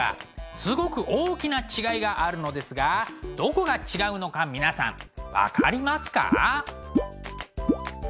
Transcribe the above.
すごく大きな違いがあるのですがどこが違うのか皆さん分かりますか？